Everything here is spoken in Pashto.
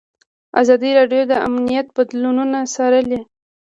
ازادي راډیو د امنیت بدلونونه څارلي.